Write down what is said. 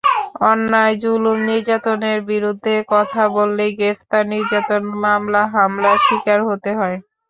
অন্যায়, জুলুম, নির্যাতনের বিরুদ্ধে কথা বললেই গ্রেপ্তার, নির্যাতন, মামলা-হামলার শিকার হতে হয়।